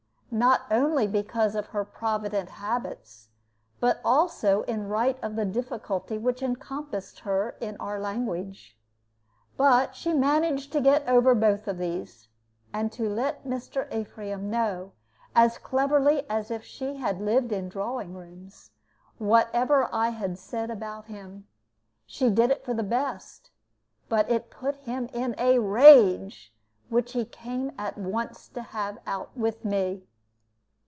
Not only because of her provident habits, but also in right of the difficulty which encompassed her in our language. But she managed to get over both of these, and to let Mr. Ephraim know, as cleverly as if she had lived in drawing rooms, whatever I had said about him. She did it for the best; but it put him in a rage, which he came at once to have out with me.